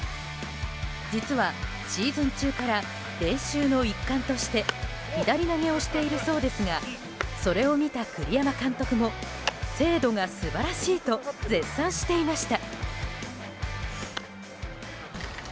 実は、シーズン中から練習の一環として左投げをしているそうですがそれを見た栗山監督も精度が素晴らしいと絶賛していました。